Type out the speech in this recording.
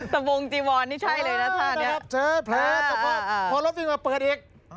สโปรงจีวอลนี่ใช่เลยนะท่านเนี่ยพอรถนี่เปิดอีก